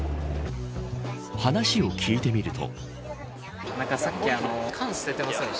話を聞いてみると。